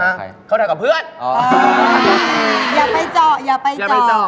อย่าไปเจาะ